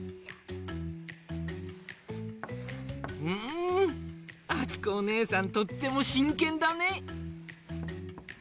うんあつこおねえさんとってもしんけんだね。